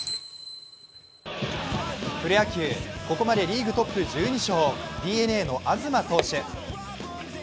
プロ野球、ここまでリーグトップ１２勝ＤｅＮＡの東投手。